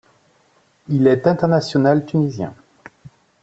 Il est international tunisien.